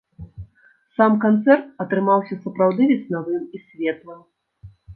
Сам канцэрт атрымаўся сапраўды веснавым і светлым.